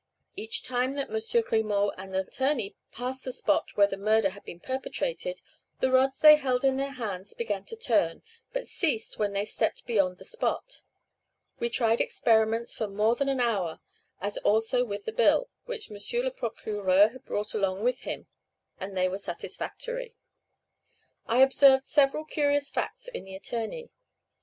Each time that M. Grimaut and the attorney passed the spot where the murder had been perpetrated, the rods they held in their hands began to turn, but ceased when they stepped beyond the spot. We tried experiments for more than an hour, as also with the bill, which M. le Procureur had brought along with him, and they were satisfactory. I observed several curious facts in the attorney.